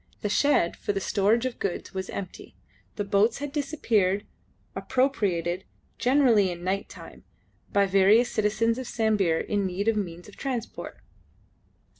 The shed for the storage of goods was empty, the boats had disappeared, appropriated generally in night time by various citizens of Sambir in need of means of transport.